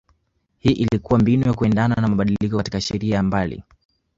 hii ilikua mbinu ya kuendana na mabadiliko katika sheria ya mbali